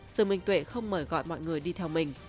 sương minh tuệ không mời gọi mọi người đi theo mình